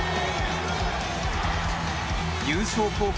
優勝候補